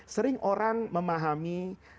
sering orang memahami